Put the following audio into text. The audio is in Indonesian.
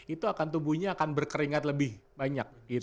itu akan tubuhnya akan berkeringat lebih banyak